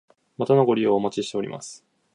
またのご利用お待ちしております。